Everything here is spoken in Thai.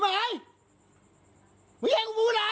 หนูก็ไม่อยากพูดหรอก